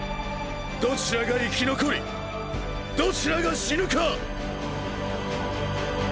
どちらが生き残りどちらが死ぬか。